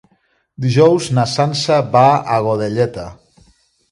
Dijous na Sança va a Godelleta.